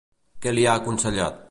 Què li ha aconsellat?